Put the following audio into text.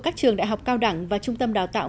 các trường đại học cao đẳng và trung tâm đào tạo